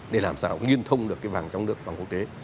để làm sao liên thông được cái vàng trong nước vàng quốc tế